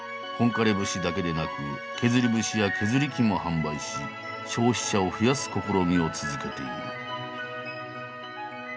本枯節だけでなく削り節や削り器も販売し消費者を増やす試みを続けている。